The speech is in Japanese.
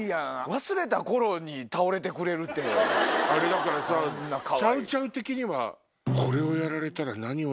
だからさチャウチャウ的には。